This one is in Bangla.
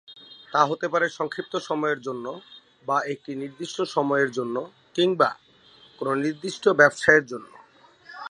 তা হতে পারে সংক্ষিপ্ত সময়ের জন্য বা একটি নির্দিষ্ট সময়ের জন্য কিংবা কোন নির্দিষ্ট ব্যবসায়ের জন্য।